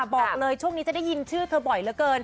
บอกเลยช่วงนี้จะได้ยินชื่อเธอบ่อยเหลือเกิน